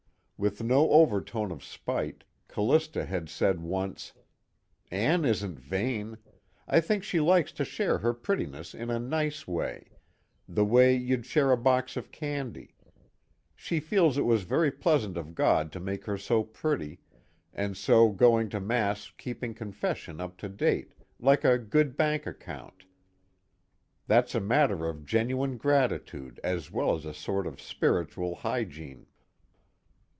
With no overtone of spite, Callista had said once: "Ann isn't vain. I think she likes to share her prettiness in a nice way, the way you'd share a box of candy. She feels it was very pleasant of God to make her so pretty, and so going to Mass and keeping confession up to date like a good bank account, that's a matter of genuine gratitude as well as a sort of spiritual hygiene."